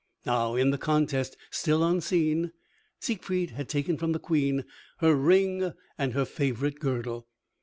Now in the contest, still unseen, Siegfried had taken from the Queen her ring and her favorite girdle.